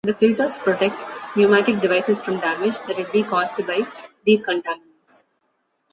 The filters protect pneumatic devices from damage that would be caused by these contaminants.